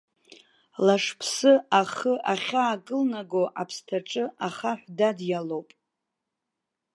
Лашԥсы ахы ахьаакылнаго аԥсҭаҿы, ахаҳә дадиалоуп!